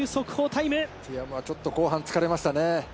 ティアムはちょっと後半疲れましたね。